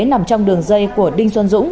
nằm trong đường dây của đinh xuân dũng